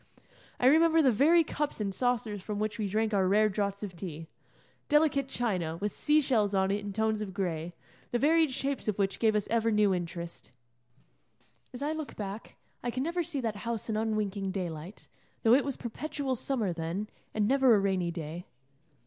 I remember the very cups and saucers from which we drank our rare draughts of tea delicate china, with sea shells on it in tones of gray, the varied shapes of which gave us ever new interest. As I look back, I can never see that house in unwinking daylight, though it was perpetual summer then, and never a rainy day.